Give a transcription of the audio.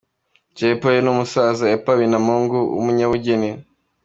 Jay Polly n'umusaza Epa Binamungu w'umunyabugeni.